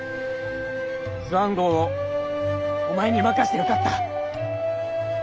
スワン号をお前に任してよかった。